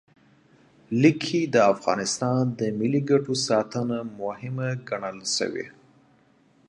لیک کې د افغانستان د ملي ګټو ساتنه مهمه ګڼل شوې.